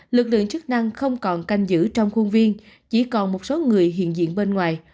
lực lượng chức năng không còn canh giữ trong khuôn viên chỉ còn một số người hiện diện bên ngoài